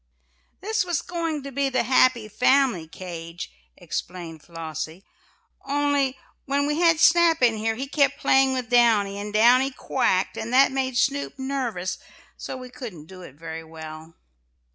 "This was going to be the happy family cage," explained Flossie, "only when we had Snap in here he kept playing with Downy, and Downy quacked and that made Snoop nervous so we couldn't do it very well."